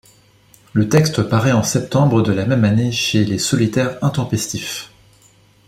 Le texte paraît en septembre de la même année chez Les Solitaires Intempestifs.